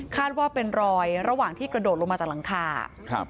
ว่าเป็นรอยระหว่างที่กระโดดลงมาจากหลังคาครับ